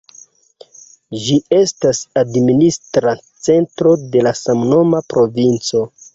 Ĝi estas administra centro de la samnoma provinco.